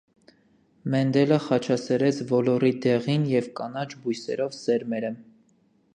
Մենդելը խաչասերեց ոլոռի դեղին և կանաչ բույսերով սերմերը։